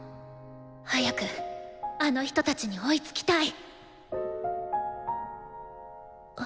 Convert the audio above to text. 早くあの人たちに追いつきたい私